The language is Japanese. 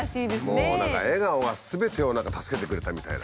何か笑顔がすべてを助けてくれたみたいな。